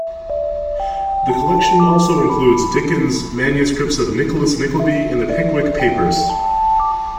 The collection also includes Dickens' manuscripts of "Nicholas Nickleby" and the "Pickwick Papers".